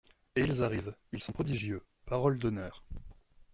Et ils arrivent ; ils sont prodigieux, parole d’honneur !